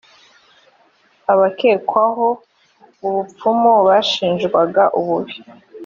abakekwagaho ubupfumu bashinjwaga ibibi